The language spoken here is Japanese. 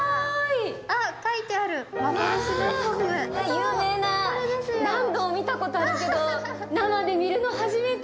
有名な何度も見たことあるけど生で見るの初めて！